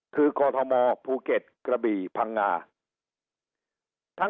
คือกอทมภูเก็ตกระบี่พังงา